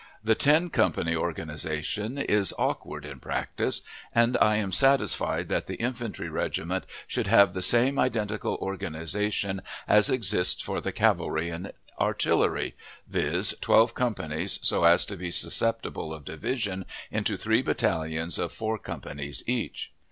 The ten company organization is awkward in practice, and I am satisfied that the infantry regiment should have the same identical organization as exists for the cavalry and artillery, viz., twelve companies, so as to be susceptible of division into three battalions of four companies each.